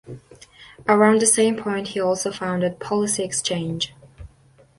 Around the same point he also founded Policy Exchange.